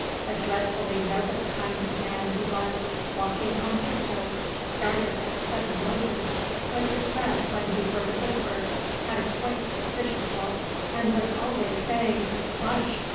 A dreadfully nervous kind of man he was, walked on tiptoe, started at sudden noises, was distressed when he heard a whisper, had a quick, suspicious look, and was always saying, "Hush?"